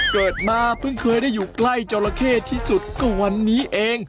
เกิดมาเพิ่งเคยได้อยู่ใกล้จราเข้ที่สุดก่อนวันนี้เอง